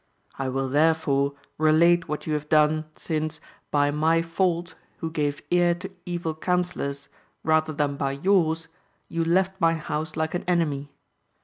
I will, therefore, relate what you have done, since, by my fault, who gave ear to evil counsel lors, rather than by yours, you left my house like an enemy.